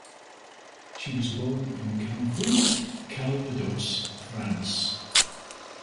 She was born in Campeaux, Calvados, France.